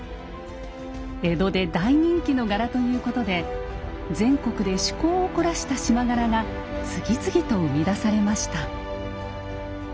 江戸で大人気の柄ということで全国で趣向を凝らした縞柄が次々と生み出されました。